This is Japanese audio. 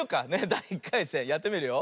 だい１かいせんやってみるよ。